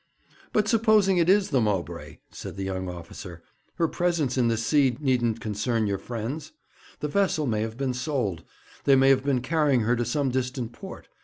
'But, supposing it is the Mowbray,' said the young officer: 'her presence in this sea needn't concern your friends. The vessel may have been sold. They may have been carrying her to some distant port.